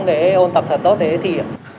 để ôn tập thật tốt để thi